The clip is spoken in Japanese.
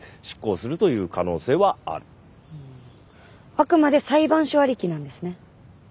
あくまで裁判所ありきなんですね。